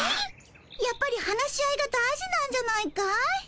やっぱり話し合いが大事なんじゃないかい？